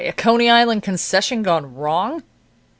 A Coney Island concession gone wrong?"